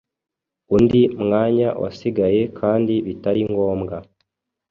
Undi mwanya wasigaye kandi bitari ngombwa